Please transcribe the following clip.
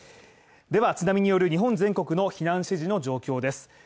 では津波による日本全国の避難指示の状況です。